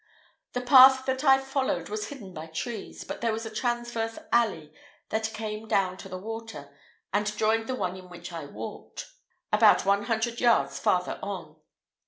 The path that I followed was hidden by trees, but there was a transverse alley that came down to the water, and joined the one in which I walked, about one hundred yards farther on.